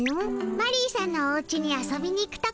マリーさんのおうちに遊びに行くとこ。